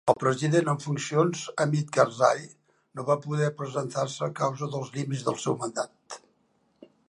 El president en funcions Hamid Karzai no va poder presentar-se a causa dels límits del seu mandat.